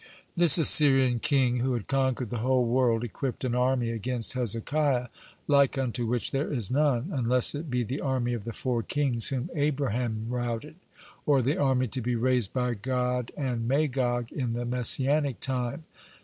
This Assyrian king, who had conquered the whole world, (51) equipped an army against Hezekiah like unto which there is none, unless it be the army of the four kings whom Abraham routed, or the army to be raised by God and Magog in the Messianic time.